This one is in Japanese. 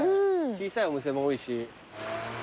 小さいお店も多いし。